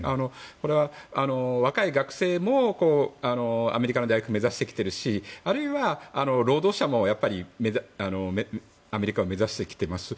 これは若い学生もアメリカの大学を目指してきているしあるいは労働者もやっぱり労働者も目指してきています。